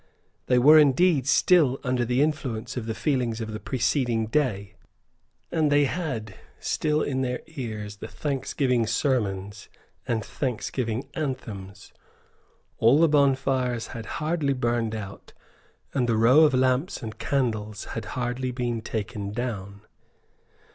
They were indeed still under the influence of the feelings of the preceding day; and they had still in their ears the thanksgiving sermons and thanksgiving anthems; all the bonfires had hardly burned out; and the rows of lamps and candles had hardly been taken down.